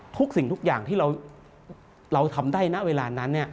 ทุกสิ่งทุกอย่างที่เราทำได้ณเวลานั้น